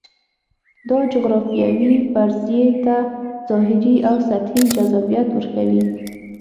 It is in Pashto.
دا جغرافیوي فرضیې ته ظاهري او سطحي جذابیت ورکوي.